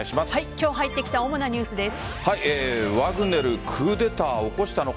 今日入ってきた主なニュースです。